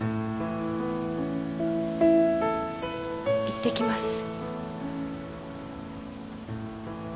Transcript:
いってきます。